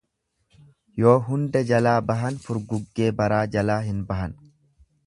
Yoo hunda jalaa bahan furguggee baraa jalaa hin bahan.